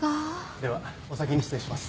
ではお先に失礼します。